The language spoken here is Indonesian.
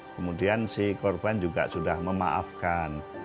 kemudian si korban juga sudah memaafkan